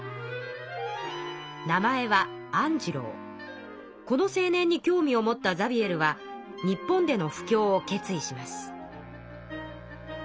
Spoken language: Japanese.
名前はこの青年に興味を持ったザビエルは日本での布教を決意します。